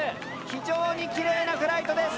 非常にきれいなフライトです。